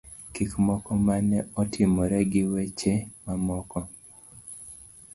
Gik moko ma ne otimore gi weche mamoko.